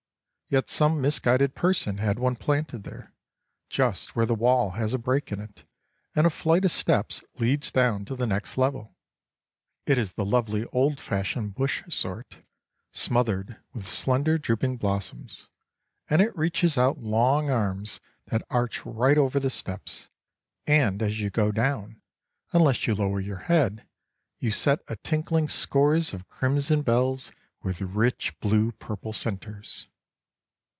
Yet some misguided person had one planted there—just where the wall has a break in it, and a flight of steps leads down to the next level. It is the lovely old fashioned bush sort, smothered with slender drooping blossoms; and it reaches out long arms that arch right over the steps, and as you go down, unless you lower your head, you set a tinkling scores of crimson bells with rich blue purple centres.